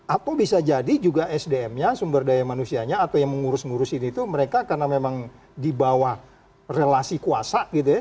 atau bisa jadi juga sdm nya sumber daya manusianya atau yang mengurus ngurusin itu mereka karena memang di bawah relasi kuasa gitu ya